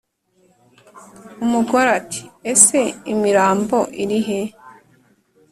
Umugore ati: "Ese imirambo iri he?"